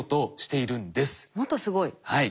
はい。